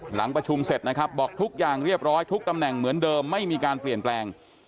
หลังประชุมเสร็จนะครับบอกทุกอย่างเรียบร้อยทุกตำแหน่งเหมือนเดิมไม่มีการเปลี่ยนแปลง